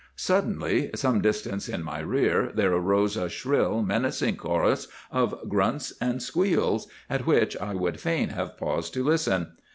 Suddenly, some distance in my rear, there arose a shrill, menacing chorus of grunts and squeals, at which I would fain have paused to listen.